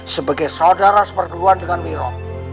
sebagai saudara seperluan dengan wiro